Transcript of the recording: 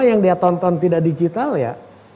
yang dia tonton tidak digital ya